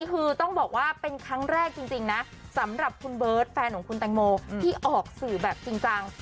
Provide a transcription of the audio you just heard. คือต้องบอกว่าเป็นครั้งแรกจริงนะสำหรับคุณเบิร์ตแฟนของคุณแตงโมที่ออกสื่อแบบจริงจัง